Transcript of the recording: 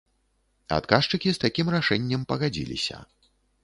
Адказчыкі з такім рашэннем пагадзіліся.